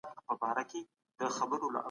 باید له دې ډالۍ سمه ګټه پورته کړو.